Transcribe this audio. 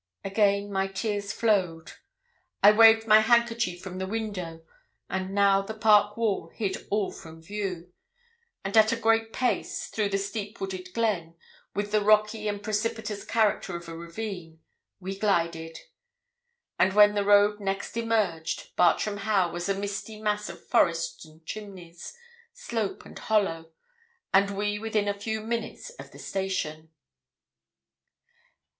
Again my tears flowed. I waved my handkerchief from the window; and now the park wall hid all from view, and at a great pace, through the steep wooded glen, with the rocky and precipitous character of a ravine, we glided; and when the road next emerged, Bartram Haugh was a misty mass of forest and chimneys, slope and hollow, and we within a few minutes of the station.